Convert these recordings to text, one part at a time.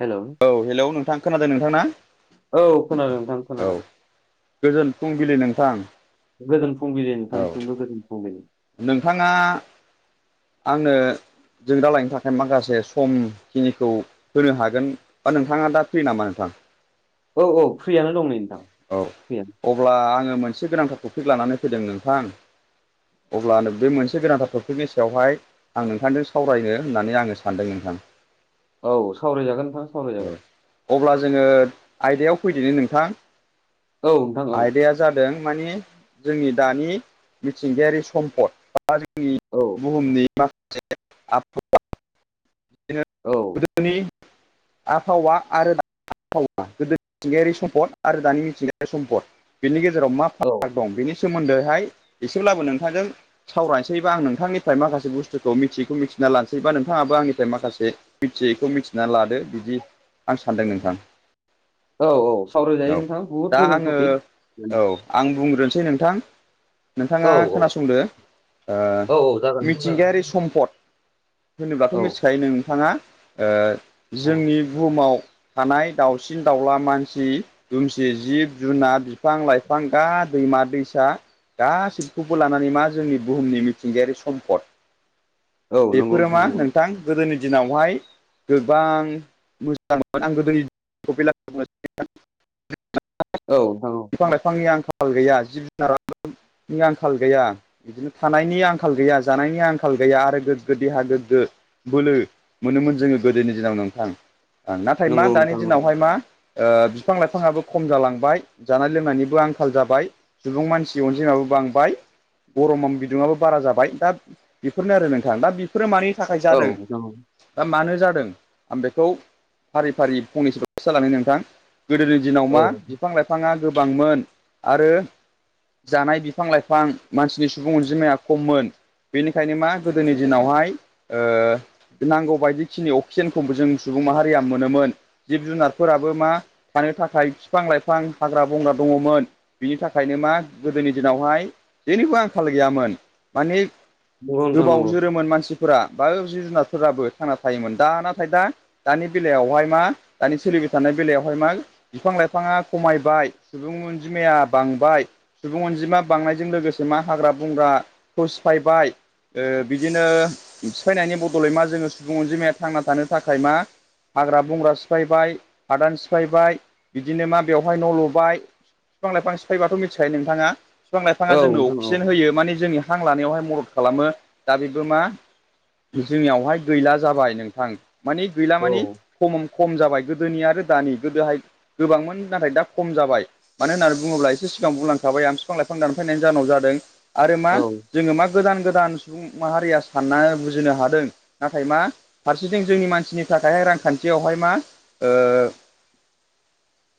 Hello औ hello नोंथां खोनादों नोंथां ना औ खोनादों नोंथां औ। खोनादों गोजोन फुंबिलि नोंथां गोजोन फुंबिलि औ। नोंथांसिमबो गोजोन फुंबिलि नोंथाङा आंनो जों रालायनो थाखाय माखासे समखिनिखौ होनो हागोन बा नोंथाङा दा फ्रि नामा नोंथां? [inaudible] औ औ। फ्रियानो दं नै नोंथां औ फ्रियानो अब्ला आङो मोनसे गोनांथार टपिक लानानै फैदों नोंथां। अब्लानो बे मोनसे गोनांथार टपिकनि सायावहाय आं नोंथांजों सावरायनो होननानै आङो सानदों नोंथां थां औ सावरायजागोन नोंथां सावरायजागोन अब्ला जोङो आयदायाव फैदोनि नोंथां औ नोंथां औ आयदाया जादों माने जोंनि दानि मिथिंगायारि सम्पद बा जोंनि औ बुहुमनि माखासे आबहावा औ [unintelligible] गोदोनि आबहावा आरो आबहावा गोदोनि मिथिंगायारि सम्पद आरो दानि मिथिंगायारि सम्पद बिनि गेजेराव मा औ फाराग दं बेनि सोमोन्दोहाय एसेब्लाबो नोंथांजों सावरायनोसै बा आं नोंथांनिफ्राय माखासे बुस्थुखौ मिथियिखौ मिथिना लानोसै बा नोंथां थाङाबो आंनिफ्राय माखासे मिथियैखौ मिथिना लादो बिदि आं सानदों नोंथां औ औ औ सावरायजायो नोंथां बुहुद दा मोजां आङो टपिक औ आं बुंग्रोनोसै नोंथां नोंथाङा औ खोनासंदो ओ औ जागोन नोंथां जागोन मिथिंगायारि सम्पद होनोब्लाथ' औ मिथिखायो नोंथाङा औ जोंनि बुहुमाव थानाय दाउसिन दाउला मानसि दुमसि जिब जुनार बिफां लाइफां दा दैमा दैसा गाैसैखौबो लानानै मा जोंनि बुहुमनि मिथिंगायारि सम्पद औ नंगौ बेफोरो मा नंगौ नोंथां गोदोनि दिनावहाय गोबां मोजांमोन आं गोदोनि [unintelligible] औ नोंथां औ [unintelligible] बिफां लाइफांनि आंखाल गैया जिब जुनारा [unintelligible] नि आंखाल गैया बिदिनो थानायनि आंखाल गैया जानायनि आंखाल गैया आरो गोग्गो देहा गोग्गो गो बोलो मोनोमोन जोङो गोदोनि दिनाव नोंथां ओं नाथाय मा नंगौ दानि नोंथां नंगौ दिनावहाय मा ओ फां लाइफाङाबो खम जालांबाय जानाय लोंनायनिबो आंखाल जाबाय सुबुं मानसि अनजिमाबो बांबाय गरमम बिदुंआबो बारा जाबाय दा बेफोरनो आरो नोंथां दा बेफोरो मानि थाखाय औ जादों नोंथां औ औ बा मानो जादों आं बेखौ फारि फारि फंनैसो [unintelligible] नोंथां गोदोनि दिनाव मा बिफां लाइफाङा गोबांमोन आरो जानाय बिफां लाइफां मानसिनि सुबुं अनजिमाया खममोन बेनिखायनो मा गोदोनि दिनावहाय ओ नांगौ बायदिखिनि अक्सिजेनखौबो जों सुबुं माहारिया मोनोमोन जिब जुनारफोराबो मा थानो थाखाय फिफां लाइफां हाग्रा बंग्रा दङ'मोन बिनि थाखायनो मा गोदोनि दिनावहाय जेनिबो आंखाल गैयामोन माने नंगौ नोंथां गोबाव नंगौ जोरोमोन मानसि फोरा बा जिब जुनारफोराबो थांना थायोमोन दा नाथाय दा दानि बेलायावहाय मा दानि सोलि [unintelligible] बाय थानाय बेलायावहाय मा बिफां लाइफाङा खमायबाय सुबुं अनजिमाया बांबाय सुबुं अनजिमा बांनायजों लोगो गोसे मा हाग्रा बंग्रा खौ सिफायबाय ओ बिदिनो सिफायनायनि बदलै मा जोङो सुबुं अनजिमाया थांना थानो थाखाय मा हाग्रा बंग्रा सिफायबाय हादान सिफायबाय बिदिनो मा बेवहाय न' लुबाय फिफां लाइफां सिफायबाथ' मिथिखायो नोंथाङा फिफां लाइफाङा औ जोंनो नोंथां औ अक्सिजेन होयो मानि जोंनि हां लानायावहाय मदद खालामो दा बेबो मा जोंनियावहाय गैला जाबाय नोंथां मानि गैला औ मानि खमम खम जाबाय गोदोनि आरो दानि गोदोहाय गोबांमोन नाथाय दा खम जाबाय मानो होननानै बुङोब्ला एसे सिगां बुंलांखाबाय आं फिफां लाइफां दानफैनायनि जाहनाव जादों आरो मा औ जोङो मा गोदान गो दान सुबुं माहारिया सानना बुजिनो हादों नाथाय मा फारसेथिं जोंनि मानसिनि थाखायहाय रा खान्थियावहाय मा ओ [inaudible]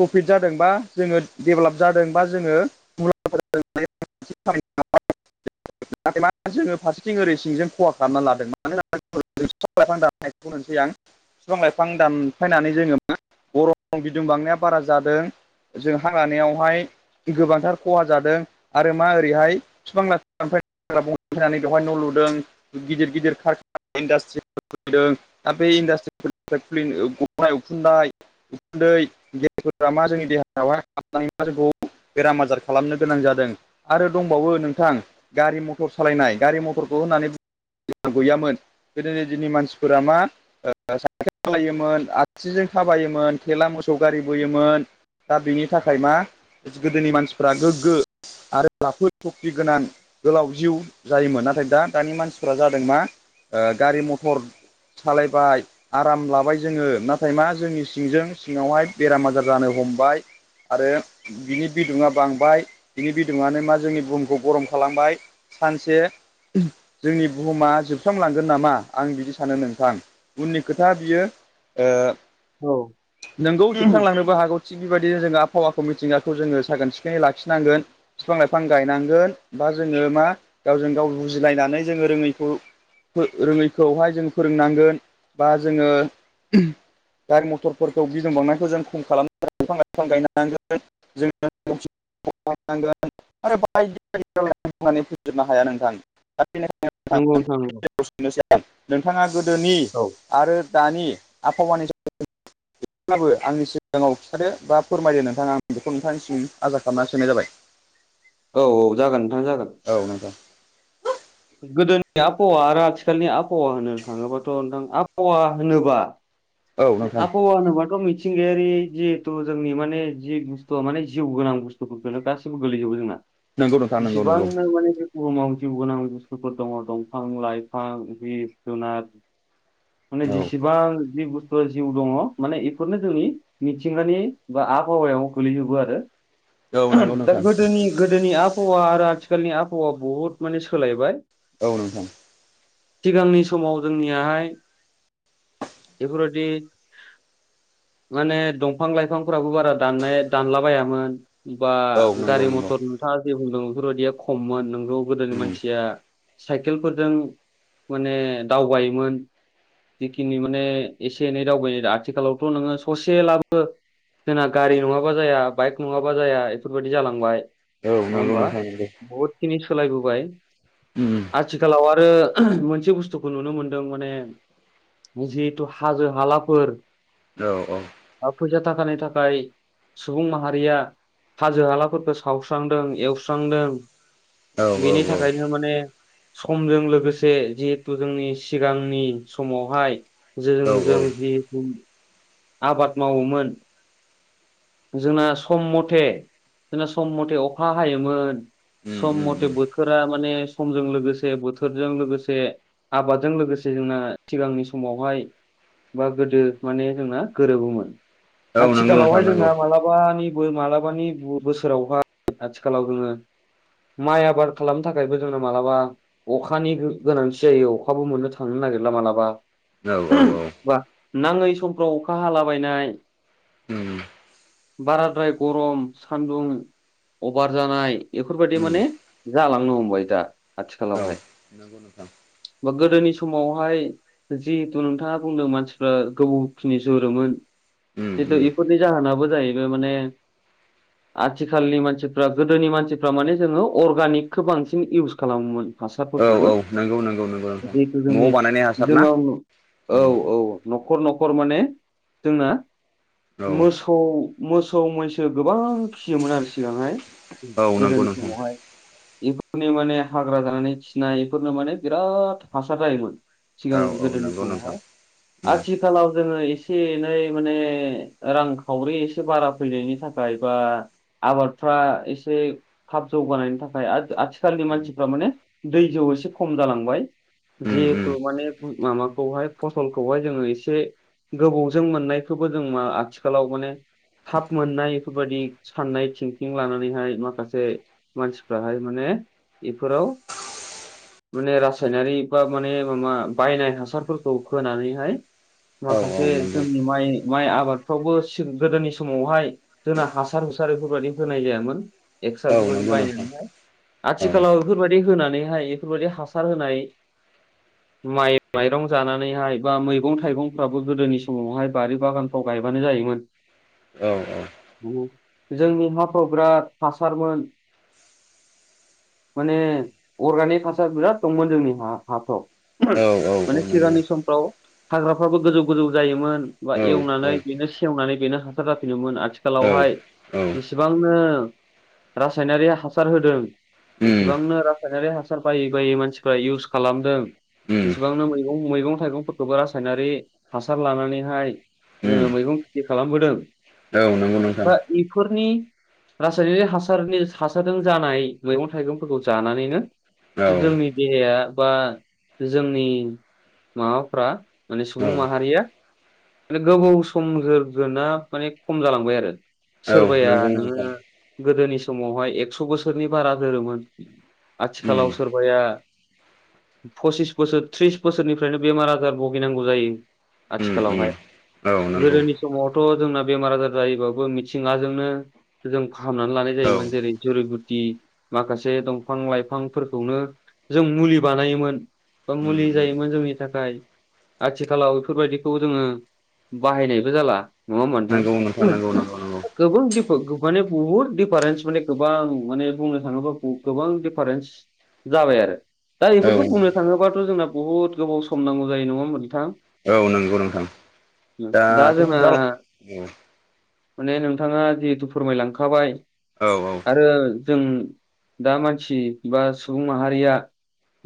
प्रफिट जादों बा जोङो डेभेलाप जादों बा जोङो [unintelligible] [inaudible] ा जोङो फारसेथिं ओरै सिंजों खहा खालामना लादों मानो होना बिफां लाइफां दानफायनायखौ मोनसै आं बिफां लाइफां दानफायनानै जोङो मा बर' बि बिदुं बांनाया बारा जादों। जोंहा लानायावहाय गोबांथार खहा जादों आरो मा ओरैहाय बिफां लाइफ [unintelligible] बेवहाय न' लुदों गिदिर गिदिर [unintelligible] इान्लास्ट्रि लुदों बे इन्डासट्रिफोरनि खुलि गनाय उखुनाय उन्दै गेफोरा मा जोंनि देहायावहाय हाबनानै मा जोंखौ बेराम आजार खालामनो गोनां जादों आरो दंबावो नोंथां गारि मटर सालायनाय गारि मटरखौ होननानै गैयामोन गोदो दिननि मानसिफोरा मा साइकेल खाायोमोन आथिजों खा थाबायोमोन थेला मोसौ गारि बोयोमोन। दा बेनि थाखाय मा गोदोनि मानसिफ्रा गोग्गो आरो लाफोद सखि गोनां गोलाव जिउ जायोमोन नाथाय दा दानि मानसिफोरा जादों मा गारि मथर सालायबाय आराम लाबाय जोङो नाथाय मा जोंनि सिंजों सिङावहाय बेराम आजार जानो हमबाय। आरो बिनि बिदुुंआ बांबाय बिनि बिदुङानो मा जोंनि बुहुमखौ गरम खालामबाय। सानसे जोंनि बुहुमा जोबस्रांलांगोन नामा आं बिदि सानो नोंथां उननि खोथा बियो ओ औ नोंगौ जोबसांलांनोबो हागौ। थिग बेबायदिनो जोङो आबहावाखौ मिथिंगाखौ जोङो साखोन सिखोनै लाखिनांगोन बिफां लाइफां गायनांगोन ब बा जोङो मा गावजों गाव बुजिलायनानै जोङो रोङैखौ रोङैखौहाय जों फोरोंनांगोन बा जोङो गारि मथर फोरखौ गिदिंबावनायखौ जों खम खालाम बिफां लाइफां गायनो हांगोन जों आरो बायदिायनानै फैजोबनो हाया नोंथां नंगौ नोंथां नंगौ [unintelligible] नोंथाङा गोदोनि औ आरो दानि आफानि नाबबो आंनि सिगाङाव खिथादो बा फोरमायदो नोंथाङा आं बेखौ नोंथांनिसिम आसा खालामनानै सोनाय जाबाय। औ औ जागोन नोंथां जागोन। औ नोंथां गोदोनि आबहावा आरो आथिखालनि आबहावा होनो थाङोबाथ' नोंथां आबहावा होनोबा औ नोंथां आबहावा होनोबाथ' मिथि मिथिंगायारि जिहेथु जोंनि माने जि बुस्थुआ माने जिउ गोनां बुस्थुफोरो गासिबो गोगलैजोबो जोंना नंगौ नोंथां नंगौ इसबां नंगौ नो माने बे बुहुमाव जिउ गोनां बुस्थुफोर दङ दंफां लाइफां जिब जुनार माने औ जिसेबां सोर जिउ दङ माने बेफोरनो जोंनि मिथिंगानि बा आबहावायाव गोलैजोबो आरो औ नंगौ दा नोंथां गोदोनि गोदोनि आबहावा आरो आथिखालनि आबहावा बहुद माने सोलायबाय। औ नोंथां सिगांनि समाव जोंनियाहाय बेफोरबायदि माने दंफां लाइफांफोराबो बारा दाननाय दानलाबायामोन। बा औ नंगौ गारि नंगौ मथर नोंथाङा जे बुंदों बेफोरबायदिया खममोन नोंगौ गोदोनि उम मानसिया साइकेलफोरजों माने दावबायोमोन जिखिनि माने एसे एनै दावबायनो आथिखालावथ' नोङो ससेलाबो जोंना गारि नङाबा जाया बाइक नङाबा जाया ऐफोरबायदि जालांबाय। औ नङा नंगौ होमबा नोंथां नंगौ [unintelligible] सोलायबोबाय उम आथिखालाव आरो मोनसे बुस्थुखौ नुनो मोनदों माने जि थु हाजो हालाफोर औ फैसा थाखानि थाखाय सुबुं माहारिया हाजो हालाफोरखौ सावस्रांदों एवस्रांदों औ औ औ बेनि औ थाखायनो माने समजों लोगोसे जिहेथु जोंनि सिगांनि समावहाय औ जों औ जों जि [unintelligible] आबाद मावोमोन जोंना सम मथे जोंना सम मथे अखा हायोमोन। उम सम उम मथे उम बोथोरा माने समजों लोगोसे बोथोरजों लोगोसे आबादजों लोगोसे जोंना सिगांनि समावहाय बा गोदो माने जोंना गोरोबोमोन। औ नंगौ नोंथां नंगौ। मानिबो मालाबानि बोसोरावहाय आथिखालाव जोङो माइ आबाद खालामनो थाखायबो जोंनो मालाबा अखानि गोनांथि जायो। अखाबो मोननो थांनो नागिरा मालाबा औ औ औ। बा नाङै समफ्राव अखा हालाबायनाय उम बाराद्राय गरम सान्दुं अभार जानाय ऐफोरबायदि उम माने जालांनो हमबाय दा औ आथिखालावहाय नंगौ नोंथां। बा गोदोनि समावहाय जिहेथु नोंथाङा बुंदों मानसिफ्रा गोबावखिनि जोरोमोन उम जिहेथु उम इफोरनि जाहोनाबो जाहैबाय माने आथिखालनि मानसिफ्रा गोदोनि मानसिफ्रा माने जोङो अर्गानिकखौ बांसिन इउस खालामोमोन। औ हासारफोरखौबो औ नंगौ नंगौ नंगौ नोंथां जिहेथु जोंनि न'आव बानायनाय हासार ना जोंनाव औ उम औ। न'खर न'खर माने जोंना औ। औ मोसौ मैसो गोबां फिसियोमोन आरो सिगांहाय। औ नंगौ गोदोनि नोंथां समावहाय बे बेफोरनि माने हाग्रा जानानै खिनाय बेफोरनो माने बिराद हासार जायोमोन। सिगां औ औ गोदोनि नंगौ नोंथां समावहाय उम आथिखालाव जोङो एसे एनै माने रां खावरि एसे बारा फैनायनि थाखाय बा आबादफ्रा एसे थाब जौगानायनि थाखाय आथिखालनि मानसिफ्रा माने दै जौ एसे खम जालांबाय उम उम जिहेथु माने माबाखौहाय फसलखौहाय जोङो एसे गोबौजों मोननायखौबो जों मा आथिखालाव माने थाब मोननाय इफोरबायदि साननाय थिंकिं लानानैहाय माखासे मानसिफ्राहाय माने इफोराव माने रासायनारि बा माने माबा बायनाय हासारफोरखौ होनानैहाय औ औ माखासे नंगौ जोंनि माइ माइ आबाद फावबो गोदोनि समावहाय जोंना हासार हुसार बेफोरबायदि होनाय जायामोन। औ एक्सालफोरबायदि नंगौ नोंथां बायनानैहाय औ आथिखालाव बेफोरबायदि दै होनानैहाय बेफोरबायदि हासार होनाय। माइ माइरं जानानैहाय बा मैगं थाइगंफ्राबो गोदोनि समावहाय बारि बागानफ्राव गायबानो जायोमोन। औ जोंनि हा फ्राव बिराद हासारमोन। माने अर्गानिक हासार बिराद दंमोन जोंनि हा हाफ्राव। औ औ औ माने नंगौ सिगांनि समफ्राव हाग्राफ्राबो गोजौ गोजौ जायोमोन। बा औ औ एवनानै बेनो सेवनानै बेनो हासार जाफिनोमोन औ आथिखालावहाय औ जिसिबांनो रासायनारि हासार होदों। उम बेसेबांनो रासायनारि हासार बायै बायै मानसिफ्रा इउस खालामदों। उम इसेबांनो मैगं मैगं थाइगंफोरखौबो रासायनारि हासार लानानैहाय उम जोङो मैगं खेथि खालामबोदों। औ नंगौ नोंथां। फोरनि रासायनिक हासारनि हासारजों जानाय मैगं थाइगंफोरखौ जानानैनो। औ जोंनि देहाया बा जोंनि। माबाफ्रा माने सुबुं औ माहारिया। गोबाव सम जोरगोना माने खम जालांबाय आरो औ सोरबाया नंगौ नोङो। नोंथां गोदोनि समावहाय एकस' बोसोरनि बारा जोरोमोन उम आथिखालाव सोरबाया। पसिस बोसोर ट्रिस बोसोरनिफ्रायनो बेमार आजार भुगिनांगौ जायो उम आथिखालावहाय। उम औ नंगौ गोदोनि समावथ' जोंना बेमार आजार जायोबाबो मिथिंगाजोंनो जों। फाहामनानै लानाय औ जायोमोन जेरै जुरि गु दि माखासे दंफां लाइफांफोरखौनो जों मुलि बानायोमोन। बा उम मुलि उम जायोमोन जोंनि थाखाय आथिखालाव बेफोरबायदिखौ जोङो। बाहायनायबो जाला नङा होनबा नोथां नंगौ नोंथां नंगौ नंगौ नंगौ गोबां बिदि। माने बहुत डिफारेन्स माने गोबां माने बुंनो थाङोब्ला गोबां डिफारेन्स। जाबाय आरो दा औ बेफोरखौ बुंनो थाङोबाथ' जोंना बहुद गोबाव सम नांगौ जायो नङा होम्बा नोंथां? औ नंगौ नोंथां दा जोंना दाथ'। माने नोंथाङा जिहेथु फोरमायलांखाबाय औ औ आरो। जों दा मानसि बा सुबुं माहारिया।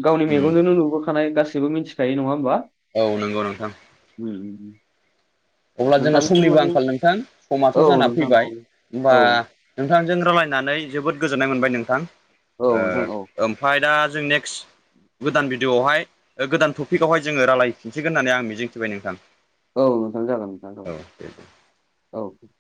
गावनि उम मेगनजोंनो नुबोखानाय गासैबो मिथिखायो नङा होमबा। औ नंगौ नोंथां। उम उम। अब्ला जोंना नोंथांनिसिम समनिबो माने आंखाल नोंथां समाथ' औ जाना नोंथां फैबाय। औ होमबा औ नोंथांजों रायलायनानै जोबोद गोजोननाय मोनबाय नों थां औ नोंथां औ ओ-ओमफ्राय दा जों नेक्स। गोदान भिडिअ'आवहाय ओ-गोदान टपिकआवहाय जोङो रालायफिनसिगोन होन्नानै आं मिजिंथिबाय नोंथां। औ नोंथां जागोन नोंथां औ जागोन औ।